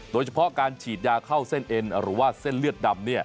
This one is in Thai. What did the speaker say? โดยเฉพาะการฉีดยาเข้าเส้นเอ็นหรือว่าเส้นเลือดดำ